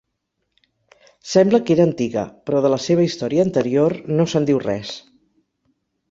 Sembla que era antiga però de la seva història anterior no se'n diu res.